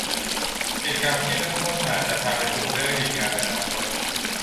กิจกรรมที่เริ่มต้นมาจะพาไปสู่เรื่องดีงามในอนาคต